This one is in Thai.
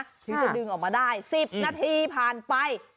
ถึงจะดึงออกมาได้๑๐นาทีผ่านไป